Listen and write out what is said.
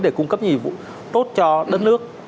để cung cấp nhiều dịch vụ tốt cho đất nước